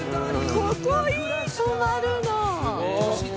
ここいい泊まるの。